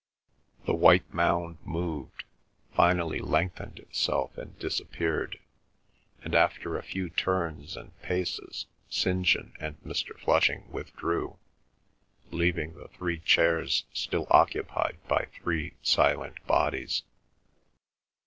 The white mound moved, finally lengthened itself and disappeared, and after a few turns and paces St. John and Mr. Flushing withdrew, leaving the three chairs still occupied by three silent bodies.